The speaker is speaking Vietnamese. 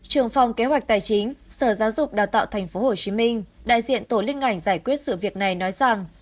trường phòng kế hoạch tài chính sở giáo dục đào tạo tp hcm đại diện tổ liên ngành giải quyết sự việc này nói rằng